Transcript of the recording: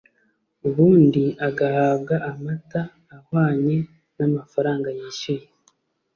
ubundi agahabwa amata ahanywe n’amafaranga yishyuye